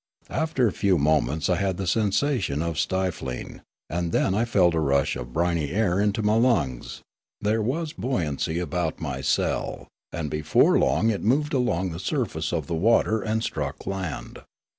For a few moments I had the sensation of stifling, and then I felt a rush of briny air into my lungs ; there was buoyancy about my cell, and before long it moved along the surface of water and struck land.